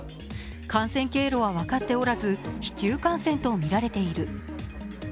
感染経路は分かっておらず、市中感染とみられている。